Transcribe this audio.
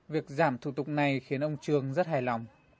việc giảm thủ tục này khiến ông trường rất hài lòng